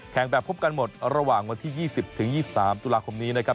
แข่งแบบพบกันหมดระหว่างวันที่๒๐๒๓ตุลาคมนี้นะครับ